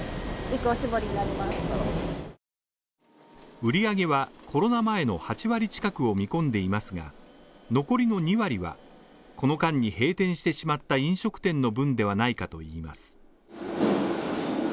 売り上げはコロナ前の８割近くを見込んでいますが、残りの２割はこの間に閉店してしまった飲食店の分ではないかといいます。